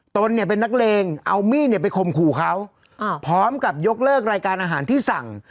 ตนเนี่ยเป็นนักเลงเอามีดเนี่ยไปข่มขู่เขาพร้อมกับยกเลิกรายการอาหารที่สั่ง